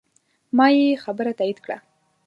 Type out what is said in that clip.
ما یې خبره تایید کړه.